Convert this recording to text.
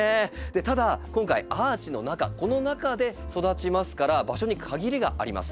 ただ今回アーチの中この中で育ちますから場所に限りがあります。